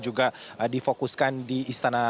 juga difokuskan di istana